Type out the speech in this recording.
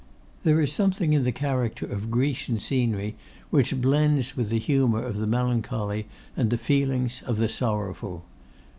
There is something in the character of Grecian scenery which blends with the humour of the melancholy and the feelings of the sorrowful.